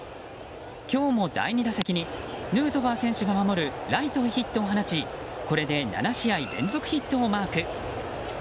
今日も、第２打席にヌートバー選手が守るライトへヒットを放ちこれで７試合連続ヒットをマーク。